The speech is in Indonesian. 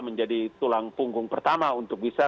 menjadi tulang punggung pertama untuk bisa